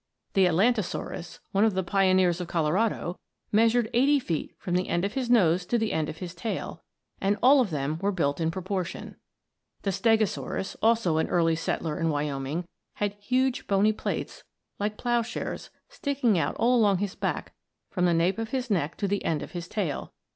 The Atlantosaurus, one of the pioneers of Colorado, measured eighty feet from the end of his nose to the end of his tail, and all of them were built in proportion. The Stegosaurus, also an early settler in Wyoming, had huge bony plates, like ploughshares, sticking out all along his back from the nape of his neck to the end of his tail.